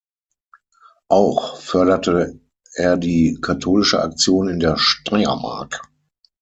Auch förderte er die Katholische Aktion in der Steiermark.